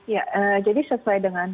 ya jadi sesuai dengan